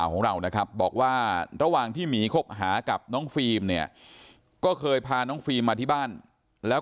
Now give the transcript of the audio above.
เขาบอกว่าเขาเปิดห้องพักอยู่ที่สิงห์